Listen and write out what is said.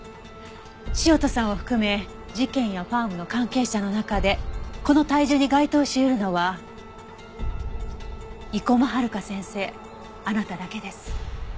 潮田さんを含め事件やファームの関係者の中でこの体重に該当し得るのは生駒遥夏先生あなただけです。